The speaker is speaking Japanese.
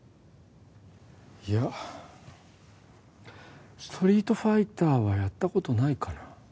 いやストリートファイターはやったことないかな